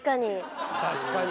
確かに。